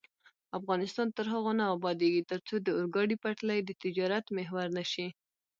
افغانستان تر هغو نه ابادیږي، ترڅو د اورګاډي پټلۍ د تجارت محور نشي.